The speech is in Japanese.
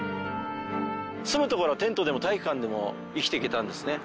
住むところはテントでも体育館でも生きていけたんですね。